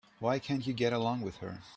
Why can't you get along with her?